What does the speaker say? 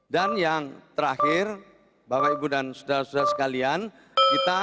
dan yang terakhir bapak ibu dan sudara sudara sekalian kita